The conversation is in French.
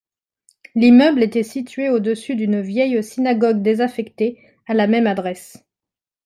L’immeuble était situé au-dessus d’une vieille synagogue désaffectée, à la même adresse.